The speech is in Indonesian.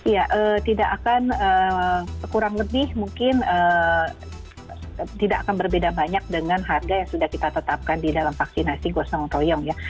ya tidak akan kurang lebih mungkin tidak akan berbeda banyak dengan harga yang sudah kita tetapkan di dalam vaksinasi gotong royong ya